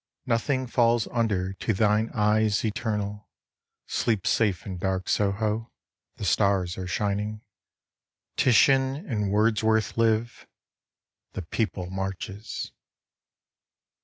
Nothing falls under to thine eyes eternal. Sleep safe in dark Soho: the stars are shining, Titian and Wordsworth live; the People marches.